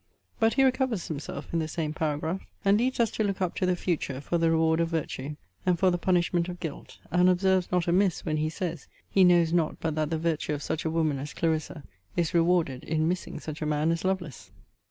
But he recovers himself in the same paragraph; and leads us to look up to the FUTURE for the reward of virtue, and for the punishment of guilt: and observes not amiss, when he says, He knows not but that the virtue of such a woman as Clarissa is rewarded in missing such a man as Lovelace.